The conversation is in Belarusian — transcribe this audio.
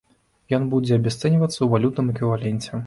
Ён будзе абясцэньвацца ў валютным эквіваленце.